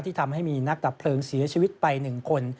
ทำให้มีนักดับเพลิงเสียชีวิตไป๑คน